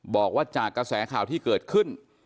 บอกว่าจากกระแสข่าวที่เกิดขึ้น